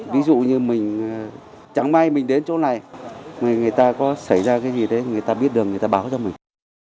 ví dụ như mình chẳng may mình đến chỗ này người ta có xảy ra cái gì đấy người ta biết được người ta báo cho mình